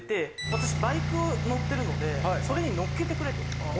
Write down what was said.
私バイク乗ってるのでそれに乗っけてくれと。